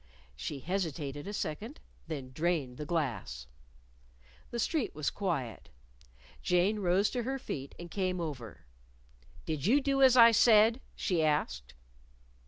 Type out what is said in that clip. She hesitated a second; then drained the glass. The street was quiet. Jane rose to her feet and came over. "Did you do as I said?" she asked.